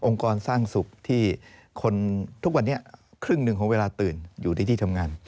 กรสร้างสุขที่คนทุกวันนี้ครึ่งหนึ่งของเวลาตื่นอยู่ในที่ทำงาน